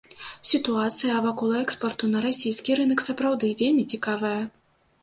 Сітуацыя вакол экспарту на расійскі рынак сапраўды вельмі цікавая.